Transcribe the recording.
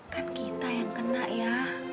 kan kita yang kena ya